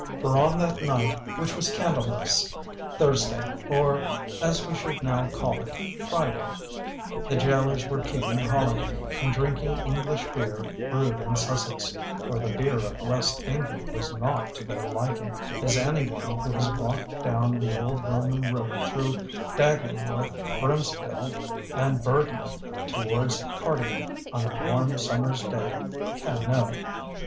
For on that night which was Candlemas Thursday, or as we should now call it "Friday" the gaolers were keeping holiday, and drinking English beer brewed in Sussex; for the beer of West England was not to their liking, as any one who has walked down the old Roman Road through Daglingworth, Brimpsfield, and Birdlip towards Cardigan on a warm summer's day can know.